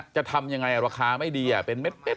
จะทำยังไงเราก็ราคาไม่ดีย่ะ